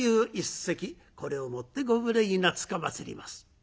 これをもってご無礼つかまつります。